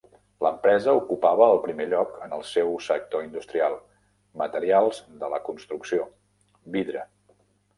L'empresa ocupava el primer lloc en el seu sector industrial: Materials de la construcció, vidre.